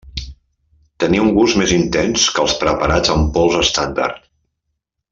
Tenia un gust més intens que els preparats en pols estàndard.